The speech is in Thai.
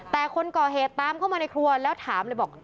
แต่คนก่อเหตุตามเข้ามาในครัวแล้วถามเลยบอก